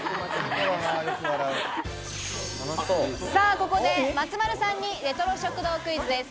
ここで松丸さんにレトロ食堂クイズです。